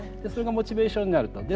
それがモチベーションになると。